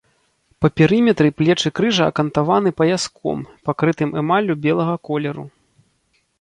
Па перыметры плечы крыжа акантаваны паяском, пакрытым эмаллю белага колеру.